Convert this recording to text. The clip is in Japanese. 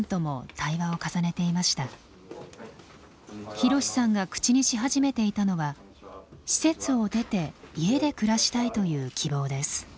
ひろしさんが口にし始めていたのは「施設を出て家で暮らしたい」という希望です。